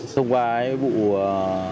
thông qua bộ việc trộm cắp xe máy